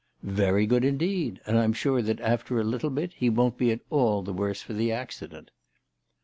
" Yery good indeed, and I'm sure that after a little bit he won't be at all the worse for the accident."